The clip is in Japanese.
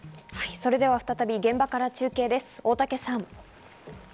それでは再び現場から中継です、大竹さん。